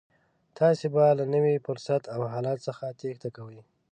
تاسې به له نوي فرصت او حالت څخه تېښته کوئ.